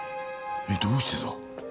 えっどうしてだ？